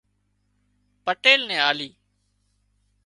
پٽيل نين آلي